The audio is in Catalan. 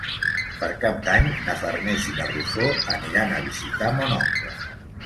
Per Cap d'Any na Farners i na Rosó aniran a visitar mon oncle.